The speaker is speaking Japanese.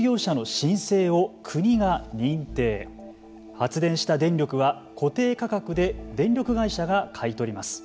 発電した電力は固定価格で電力会社が買い取ります。